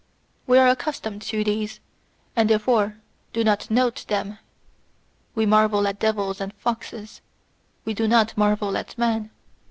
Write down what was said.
We are accustomed to these, and therefore do not note them. We marvel at devils and foxes : we do not marvel at man.